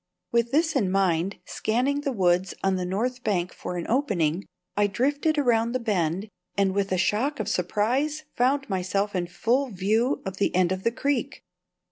With this in my mind, scanning the woods on the north bank for an opening, I drifted around the bend, and with a shock of surprise found myself in full view of the end of the creek.